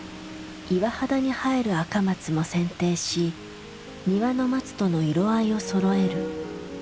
岩肌に生える赤松も剪定し庭の松との色合いをそろえる。